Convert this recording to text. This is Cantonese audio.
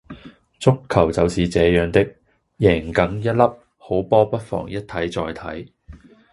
足球就是這樣的,贏梗一凹,好波不妨一睇再睇